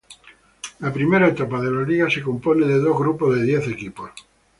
La primera etapa de la liga se compone de dos grupos de diez equipos.